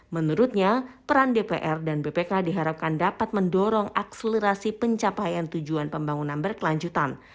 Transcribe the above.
menurutnya peran dpr dan bpk diharapkan dapat mendorong akselerasi pencapaian tujuan pembangunan berkelanjutan